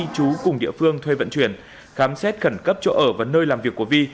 chú cùng địa phương thuê vận chuyển khám xét khẩn cấp chỗ ở và nơi làm việc của vi